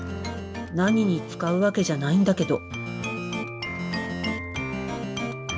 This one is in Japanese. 何に使うわけじゃないんだけど。